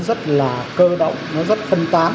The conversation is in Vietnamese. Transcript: nó rất là cơ động nó rất phân tán